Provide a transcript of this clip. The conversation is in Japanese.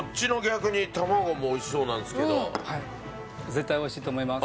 絶対美味しいと思います。